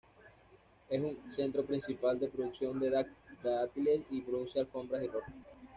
Es un centro principal de producción de dátiles y produce alfombras y ropa.